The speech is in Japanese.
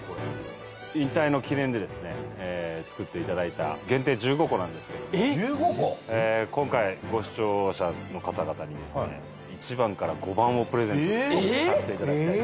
引退の記念で作っていただいた限定１５個なんですけども今回ご視聴者の方々に１番から５番をプレゼントさせていただきたいと。